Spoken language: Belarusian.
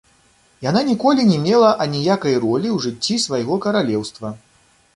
Яна ніколі не мела аніякай ролі ў жыцці свайго каралеўства.